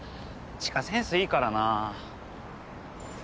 知花センスいいからな。